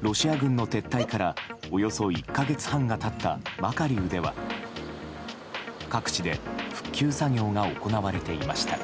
ロシア軍の撤退からおよそ１か月半が経ったマカリウでは、各地で復旧作業が行われていました。